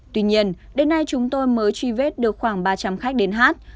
tuy nhiên đến nay chúng tôi mới truy vết được khoảng ba trăm linh khách đến hát